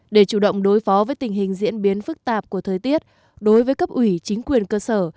để chủ động đối phó với tình hình diễn biến phức tạp của thời tiết đối với cấp ủy chính quyền cơ sở